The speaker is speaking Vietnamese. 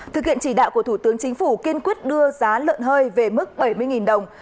thực hiện chỉ đạo của thủ tướng chính phủ kiên quyết đưa giá lợn hơi về mức bảy mươi đồng